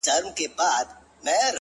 بيا خپه يم مرور دي اموخته کړم؛